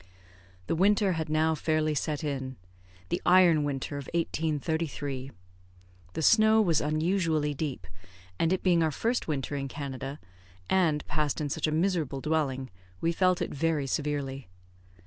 The winter had now fairly set in the iron winter of 1833. The snow was unusually deep, and it being our first winter in Canada, and passed in such a miserable dwelling, we felt it very severely.